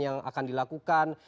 yang akan dilakukan